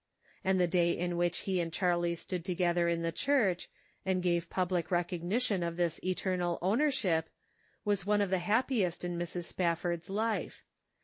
And the day in which he and Charlie stood together in the church, and gave public recognition of this eternal owner ship was one of the happiest in Mrs. Spafford's life.